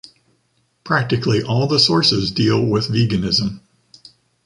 Practically all the sources deal with veganism.